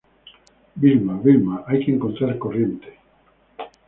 Vilma, Vilma... hay que encontrar corriente.